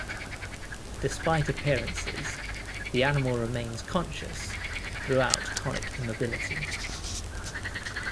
Despite appearances, the animal remains conscious throughout tonic immobility.